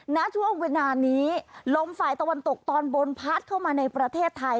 ณช่วงเวลานี้ลมฝ่ายตะวันตกตอนบนพัดเข้ามาในประเทศไทย